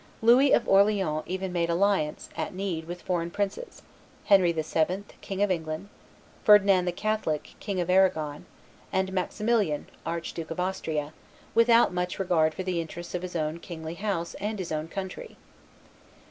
Louis of Orleans even made alliance, at need, with foreign princes, Henry VII., King of England, Ferdinand the Catholic, King of Arragon, and Maximilian, archduke of Austria, without much regard for the interests of his own kingly house and his own country.